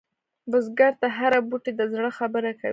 بزګر ته هره بوټۍ د زړه خبره کوي